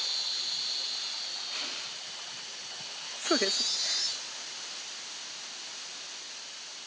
そうですね。